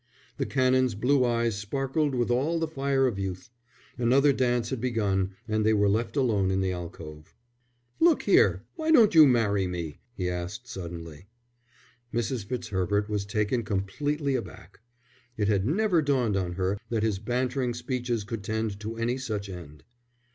The Canon's blue eyes sparkled with all the fire of youth. Another dance had begun and they were left alone in their alcove. "Look here, why don't you marry me?" he asked, suddenly. Mrs. Fitzherbert was taken completely aback. It had never dawned on her that his bantering speeches could tend to any such end.